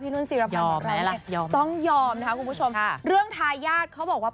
พี่รุ่นศีรภัณฑ์ของเราเนี่ยต้องยอมนะครับคุณผู้ชมเรื่องทายาทเขาบอกว่า